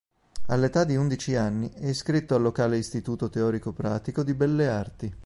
All'età di undici anni è iscritto al locale Istituto teorico-pratico di belle arti.